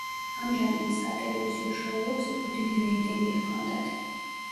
ამ ჟანრის სატელევიზიო შოუებს უფრო დიდი რეიტინგი ჰქონდათ.